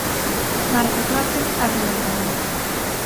Marcos López abre o marcador.